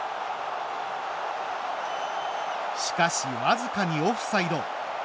しかし、僅かにオフサイド。